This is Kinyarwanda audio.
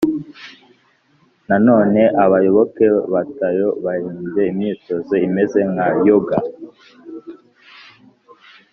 nanone abayoboke ba tao bahimbye imyitozo imeze nka yoga,